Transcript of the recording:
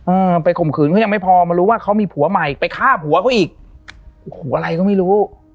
เออไปข่มขืนเขายังไม่พอมารู้ว่าเขามีผัวใหม่ไปฆ่าผัวเขาอีกโอ้โหอะไรก็ไม่รู้